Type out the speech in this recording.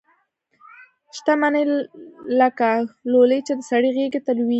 شته مني لکه لولۍ چي د سړي غیږي ته لویږي